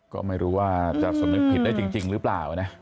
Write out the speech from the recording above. ก็ไม่รู้ว่าจะสำนึกผิดได้จริงหรือเปล่านะ